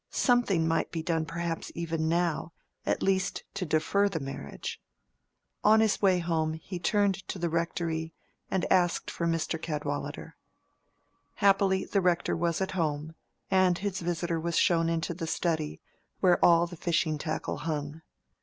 Something might be done perhaps even now, at least to defer the marriage. On his way home he turned into the Rectory and asked for Mr. Cadwallader. Happily, the Rector was at home, and his visitor was shown into the study, where all the fishing tackle hung.